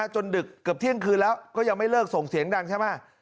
ดึกเกือบเที่ยงคืนแล้วก็ยังไม่เลิกส่งเสียงดังใช่ไหม